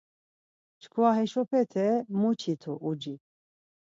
Çkva heşopete muçitu Uci.